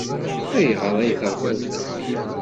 Ayɣer ay terfiḍ fell-i?